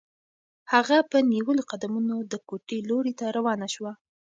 هغه په نیولو قدمونو د کوټې لوري ته روانه شوه.